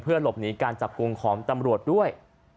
เพื่อหลบหนีกันจับกรุงของตำรวจด้วย